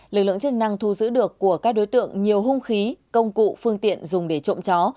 lực lượng chức năng thu giữ được của các đối tượng nhiều hung khí công cụ phương tiện dùng để trộm chó